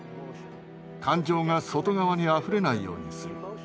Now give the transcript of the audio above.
感情が外側にあふれないようにする。